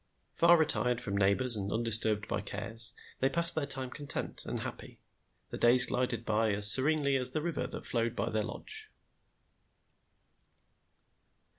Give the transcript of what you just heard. Far retired from neighbors and undisturbed by cares,' they passed their time content and happy. The days glided by as serenely as the river that flowed by their lodge.